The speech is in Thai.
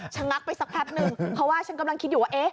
ฉันงักไปสักแพบหนึ่งเพราะว่าฉันกำลังคิดอยู่ว่า